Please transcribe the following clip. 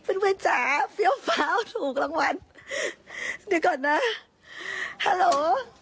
เป็นเวรจ๋าเฟี้ยวฟ้าวถูกรางวัลเดี๋ยวก่อนนะฮัลโหล